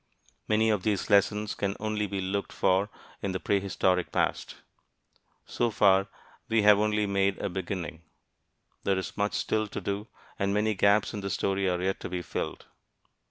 Many of these lessons can only be looked for in the prehistoric past. So far, we have only made a beginning. There is much still to do, and many gaps in the story are yet to be filled.